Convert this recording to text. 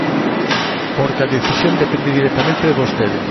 Porque a decisión depende directamente de vostede.